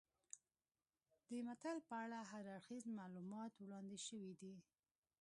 د متل په اړه هر اړخیز معلومات وړاندې شوي دي